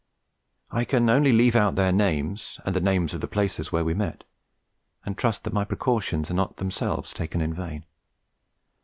I can only leave out their names, and the names of the places where we met, and trust that my precautions are not themselves taken in vain.